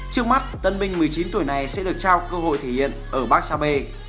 trước mắt tân binh một mươi chín tuổi này sẽ được trao cơ hội thể hiện ở barca b